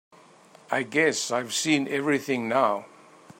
I guess I've seen everything now.